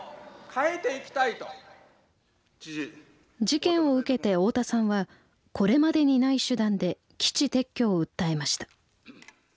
事件を受けて大田さんはこれまでにない手段で基地撤去を訴えました。